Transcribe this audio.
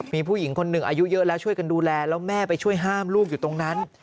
มีผู้หญิงคนหนึ่งอายุเยอะแล้วช่วยกันดูแลแล้วแม่ไปช่วยห้ามลูกอยู่ตรงนั้น